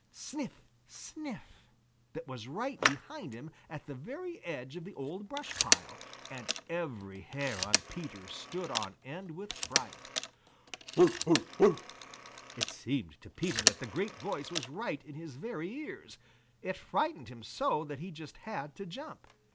Sniff! Sniff! That was right behind him at the very edge of the old brush pile, and every hair on Peter stood on end with fright. "Bow, wow, wow!" It seemed to Peter that the great voice was right in his very ears. It frightened him so that he just had to jump.